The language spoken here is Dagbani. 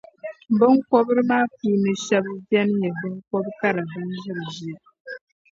Biŋkɔbri maa puuni shεba beni n-nyɛ biŋkɔb’ kara ban ʒiri ʒiya.